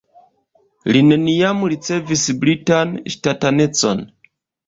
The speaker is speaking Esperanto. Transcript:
Li neniam ricevis britan ŝtatanecon.